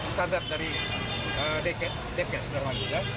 standar dari dks normalnya